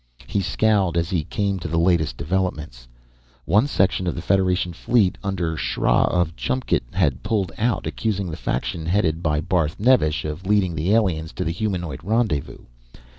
He scowled as he came to the latest developments. One section of the Federation fleet under Sra of Chumkt had pulled out, accusing the faction headed by Barth Nevesh of leading the aliens to the humanoid rendezvous.